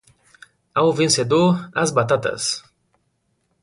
Ao vencedor, as batatas!